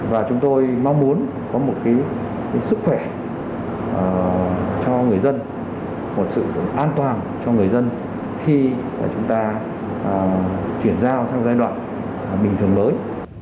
và chúng tôi mong muốn có một sức khỏe cho người dân một sự an toàn cho người dân khi chúng ta chuyển giao sang giai đoạn bình thường mới